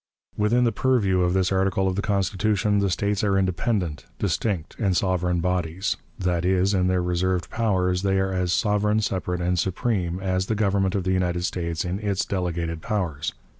Within the purview of this article of the Constitution the States are independent, distinct, and sovereign bodies that is, in their reserved powers they are as sovereign, separate, and supreme as the Government of the United States in its delegated powers.